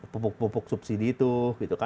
pupuk pupuk subsidi itu